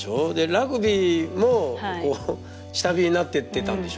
ラグビーもこう下火になってってたんでしょ。